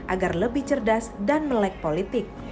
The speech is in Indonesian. agar lebih cerdas dan melek politik